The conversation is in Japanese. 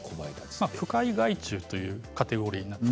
不快害虫というカテゴリーです。